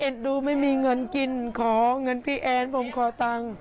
ดูไม่มีเงินกินขอเงินพี่แอนผมขอตังค์